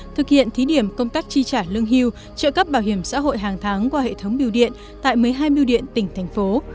thực hiện thí điểm công tác chi trả lương hưu trợ cấp bảo hiểm xã hội hàng tháng qua hệ thống biêu điện tại một mươi hai biêu điện tỉnh thành phố